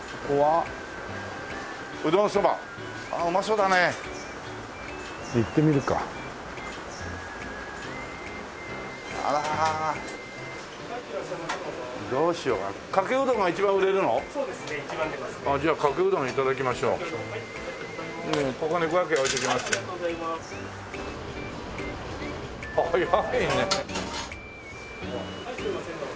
はいすいませんどうぞ。